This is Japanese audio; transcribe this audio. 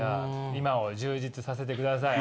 今を充実させてください。